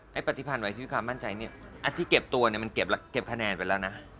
ให้ปฏิพันธ์ไว้ที่ความมั่นใจอันที่เก็บตัวมันเก็บคะแนนไปแล้วนะ